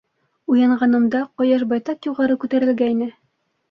Уянғанымда ҡояш байтаҡ юғары күтәрелгәйне.